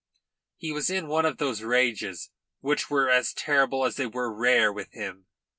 He was in one of those rages which were as terrible as they were rare with him.